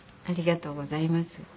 ありがとうございます。